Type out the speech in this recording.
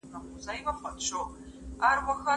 هغه وویل چې کتاب ښه ملګری دی.